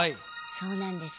そうなんです。